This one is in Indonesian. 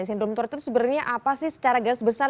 sindrom tourette itu sebenarnya apa sih secara gas besar